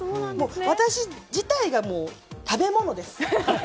私自体が食べ物です。